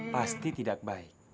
pasti tidak baik